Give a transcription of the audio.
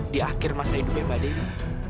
di akhir masa hidupnya mbak dewi